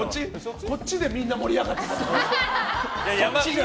こっちでみんな盛り上がってたのに。